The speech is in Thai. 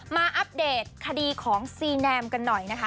อัปเดตคดีของซีแนมกันหน่อยนะคะ